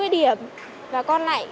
bốn mươi điểm và con lại